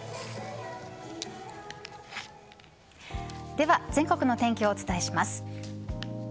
では全国の天気をお伝えします。